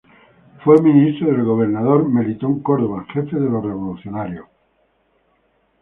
Fue ministro del gobernador Melitón Córdoba, jefe de los revolucionarios.